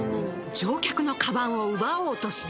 乗客のカバンを奪おうとした。